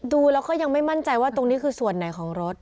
ดูแล้วก็ยังไม่มั่นใจว่าตรงนี้คือส่วนไหนของรถ